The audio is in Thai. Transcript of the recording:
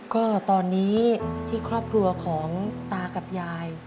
ก็ตอนนี้ที่ครอบครัวของตากับยาย